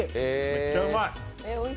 めっちゃうまい。